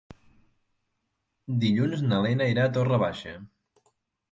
Dilluns na Lena irà a Torre Baixa.